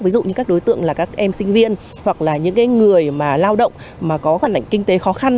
ví dụ như các đối tượng là các em sinh viên hoặc là những cái người mà lao động mà có khoản lãnh kinh tế khó khăn